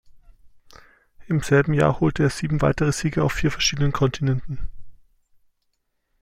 Im selben Jahr holte er sieben weitere Siege auf vier verschiedenen Kontinenten.